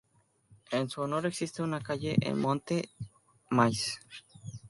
En su honor existe una calle en Monte Maíz.